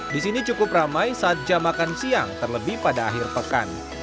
di sini cukup ramai saat jam makan siang terlebih pada akhir pekan